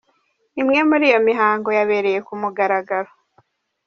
Imwe muri iyo mihango yabereye ku mugaragaro.